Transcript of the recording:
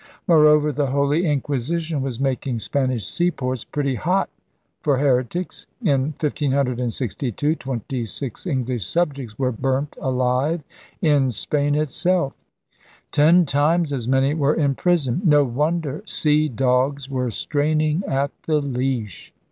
Moreover, the Holy Inquisition was making Spanish seaports pretty hot for heretics. In 1562, twenty six English subjects were biu'nt alive in Spain itself. Ten times as many were in prison. No wonder sea dogs were straining at the leash.